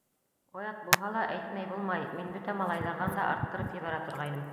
Оят булһа ла, әйтмәй булмай, мин бөтә малайҙарҙан да арттырып ебәрә торғайным.